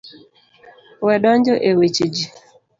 We donjo e weche ji.